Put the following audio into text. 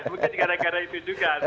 mungkin gara gara itu juga